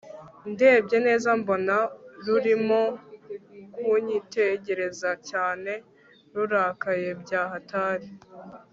ndebye neza mbona rurimo kunyitegereza cyane rurakaye byahatari